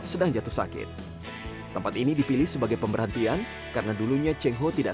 yang sedang jatuh sakit tempat ini dipilih sebagai pemberhentian karena dulunya cengho tidak